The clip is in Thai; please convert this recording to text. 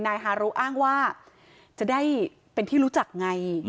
นายฮารุอ้างว่าจะได้เป็นที่รู้จักไง